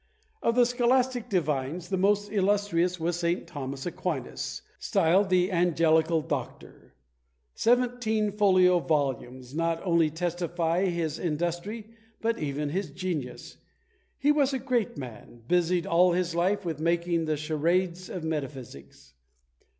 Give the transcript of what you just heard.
Of the scholastic divines, the most illustrious was Saint THOMAS AQUINAS, styled the Angelical Doctor. Seventeen folio volumes not only testify his industry but even his genius. He was a great man, busied all his life with making the charades of metaphysics.